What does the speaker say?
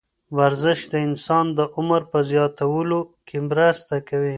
ورزش د انسان د عمر په زیاتولو کې مرسته کوي.